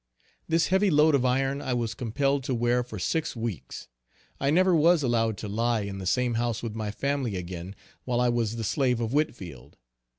This heavy load of iron I was compelled to wear for six weeks. I never was allowed to lie in the same house with my family again while I was the slave of Whitfield.